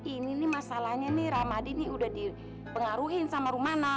ini nih masalahnya nih ramadi ini udah dipengaruhi sama rumah